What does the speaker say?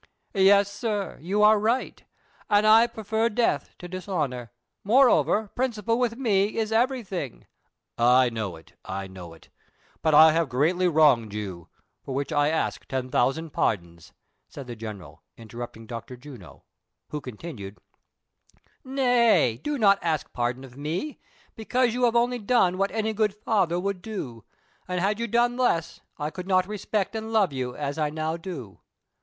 " Yes, sir, you are right, and I prefer death to dishonor ; moreover, principle with me is everything "—" I know it, I know it ; but, I have greatly wronged you, for which I ask ten thousand pardons," said the gen eral, interrupting Dr. Juno, wlio continued : "Nay, do not ask pardon of me, because you have only done what any good father would do ; and had you done less, I could not respect and love you, as I now do.''